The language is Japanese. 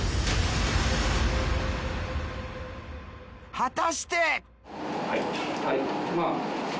果たして！？